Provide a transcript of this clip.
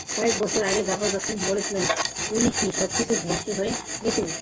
কয়েক বছর আগে বাবা যখন বলেছিল উনি কী, সবকিছু ধ্বংস হয়ে গিয়েছিল।